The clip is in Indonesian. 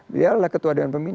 beliau adalah ketua dan pembina